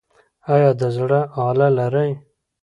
ایا د زړه آله لرئ؟